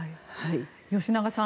吉永さん